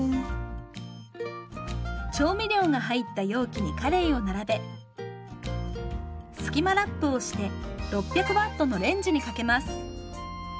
調味料が入った容器にかれいを並べスキマラップをして６００Ｗのレンジにかけます。